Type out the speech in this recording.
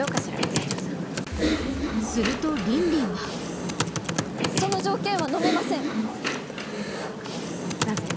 社長さんすると凜々はその条件はのめませんなぜ？